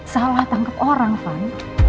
salah tangkap orang van